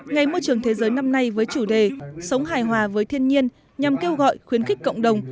ngày môi trường thế giới năm nay với chủ đề sống hài hòa với thiên nhiên nhằm kêu gọi khuyến khích cộng đồng